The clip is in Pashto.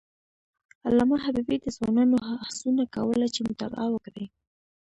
علامه حبیبي د ځوانانو هڅونه کوله چې مطالعه وکړي.